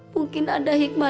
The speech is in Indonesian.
mungkin ada hikmah